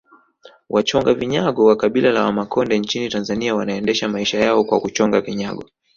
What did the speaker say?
Wachonga vinyago wa kabila la Wamakonde nchini Tanzania wanaendesha maisha yao kwa kuchonga vinyago